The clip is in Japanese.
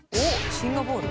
シンガポール？